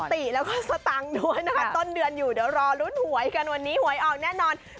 ติแล้วก็สตังค์ด้วยนะคะต้นเดือนอยู่เดี๋ยวรอลุ้นหวยกันวันนี้หวยออกแน่นอน